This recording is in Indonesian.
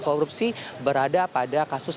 korupsi berada pada kasus